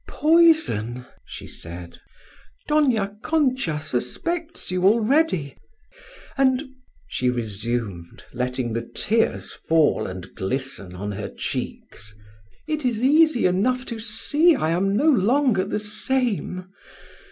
"Poison!" she said. "Dona Concha suspects you already... and," she resumed, letting the tears fall and glisten on her cheeks, "it is easy enough to see I am no longer the same.